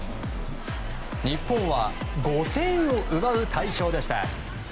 日本は５点を奪う大勝でした。